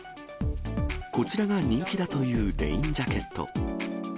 こちらが人気だというレインジャケット。